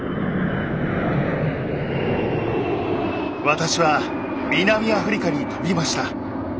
私は南アフリカに飛びました。